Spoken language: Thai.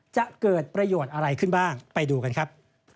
จะเกิดประโยชน์อะไรขึ้นบ้างไปดูกันครับ